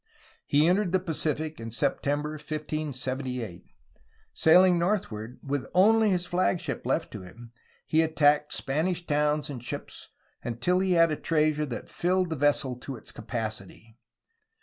He entered the Pacific in Septem ber 1578. Sailing northward, with only his flagship left to him, he attacked Spanish towns and ships, until he had a treasure that filled the vessel to its capacity.